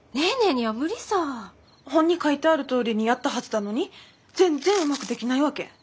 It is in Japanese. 本に書いてあるとおりにやったはずだのに全然うまくできないわけ。